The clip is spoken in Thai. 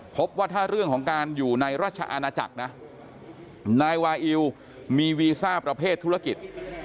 พบว่าถ้าเรื่องของการอยู่ในราชอาณาจักรนะนายวาอิวมีวีซ่าประเภทธุรกิจ